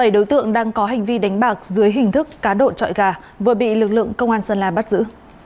bảy đối tượng đang có hành vi đánh bạc dưới hình thức cá độ trọi gà vừa bị lực lượng công an sơn la bắt giữ